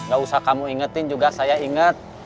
gak usah kamu ingetin juga saya ingat